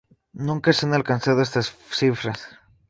Nunca se han alcanzado esas cifras.